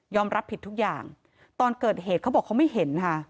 รับผิดทุกอย่างตอนเกิดเหตุเขาบอกเขาไม่เห็นค่ะ